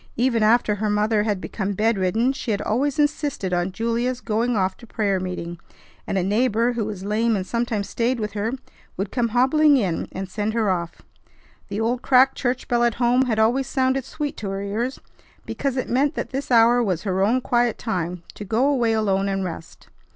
Even after her mother had become bedridden she had always insisted on Julia's going off to prayer meeting, and a neighbor who was lame and sometimes stayed with her would come hobbling in and send her off. The old cracked church bell at home had always sounded sweet to her ears because it meant that this hour was her own quiet time to go away alone and rest.